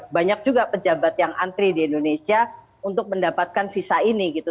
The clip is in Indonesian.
banyak juga pejabat yang antri di indonesia untuk mendapatkan visa ini gitu